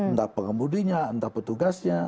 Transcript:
entah pengembudinya entah petugasnya